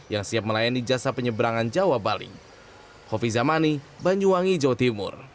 yang siap melayani jasa penyeberangan jawa bali